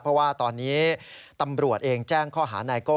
เพราะว่าตอนนี้ตำรวจเองแจ้งข้อหานายโก้